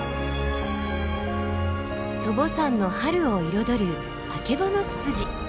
祖母山の春を彩るアケボノツツジ。